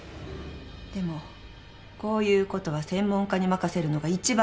でもこういうことは専門家に任せるのが一番なんです。